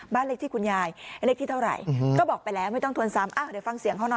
บ้านเล็กที่คุณยายเล็กที่เท่าไหร่ก็บอกไปแล้วไม่ต้องทวนซ้ำ